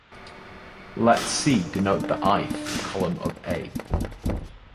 Let "c" denote the "i"-th column of "A".